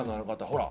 ほら！